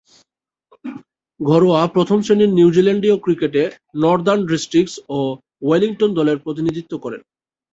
ঘরোয়া প্রথম-শ্রেণীর নিউজিল্যান্ডীয় ক্রিকেটে নর্দার্ন ডিস্ট্রিক্টস ও ওয়েলিংটন দলের প্রতিনিধিত্ব করেন।